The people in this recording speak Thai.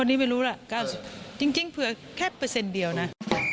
อันนี้ไม่รู้ล่ะ๙๐จริงเผื่อแค่เปอร์เซ็นต์เดียวนะ